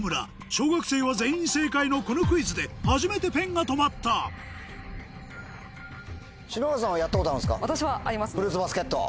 小学生は全員正解のこのクイズで初めてペンが止まったフルーツバスケット。